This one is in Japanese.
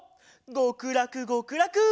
ごくらくごくらく！